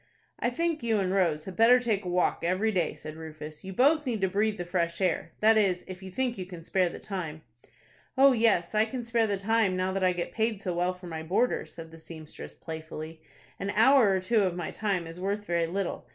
"I think you and Rose had better take a walk every day," said Rufus. "You both need to breathe the fresh air. That is, if you think you can spare the time." "Oh, yes, I can spare the time, now that I get paid so well for my boarder," said the seamstress, playfully. "An hour or two of my time is worth very little.